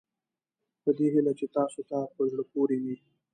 په دې هیله چې تاسوته په زړه پورې وي.